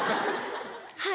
はい。